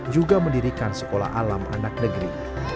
juga mendirikan sekolah alam anak negeri